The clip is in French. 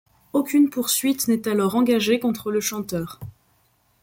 Aucune poursuite n'est alors engagée contre le chanteur.